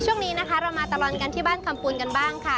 ช่วงนี้นะคะเรามาตลอดกันที่บ้านคำปูนกันบ้างค่ะ